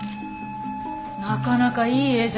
なかなかいい絵じゃない。